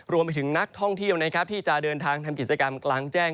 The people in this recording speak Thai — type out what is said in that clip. รวมไปถึงนักท่องเที่ยวนะครับที่จะเดินทางทำกิจกรรมกลางแจ้ง